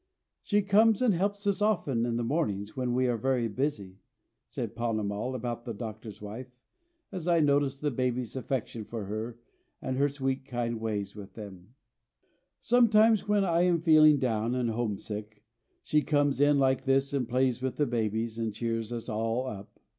"She comes and helps us often in the mornings when we are very busy," said Ponnamal about the doctor's wife, as I noticed the babies' affection for her and her sweet, kind ways with them. "Sometimes when I am feeling down and home sick, she comes in like this and plays with the babies, and cheers us all up."